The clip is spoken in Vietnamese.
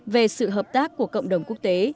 về sự hợp tác của cộng đồng quốc tế